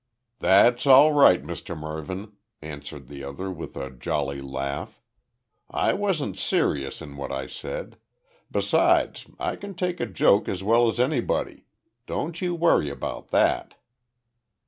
"That's all right, Mr Mervyn," answered the other, with a jolly laugh. "I wasn't serious in what I said. Besides, I can take a joke as well as anybody. Don't you worry about that."